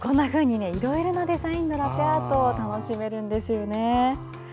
いろいろなデザインのラテアートを楽しめるんですね。